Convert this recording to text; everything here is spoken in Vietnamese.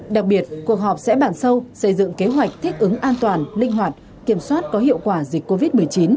đặc biệt cuộc họp sẽ bàn sâu xây dựng kế hoạch thích ứng an toàn linh hoạt kiểm soát có hiệu quả dịch covid một mươi chín